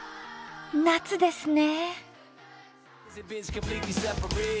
夏ですね。